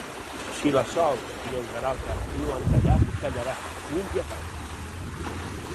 Si la Sol i el Garota no han tallat, tallaran, punt i apart.